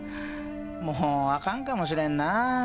もうあかんかもしれんな。